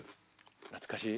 懐かしい？